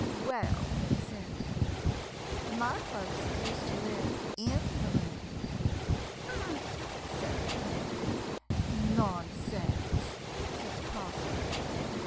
"Well," he said, "my folks used to live in the moon." "Humph!" said the 'Coon. "Nonsense!" said the 'Possum.